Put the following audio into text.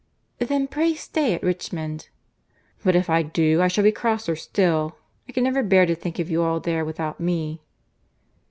"Then pray stay at Richmond." "But if I do, I shall be crosser still. I can never bear to think of you all there without me."